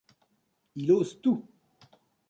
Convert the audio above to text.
Il ose tout.